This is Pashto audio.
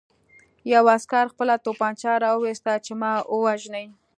یوه عسکر خپله توپانچه را وویسته چې ما ووژني